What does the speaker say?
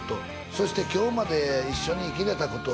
「そして今日まで一緒に生きれたことを」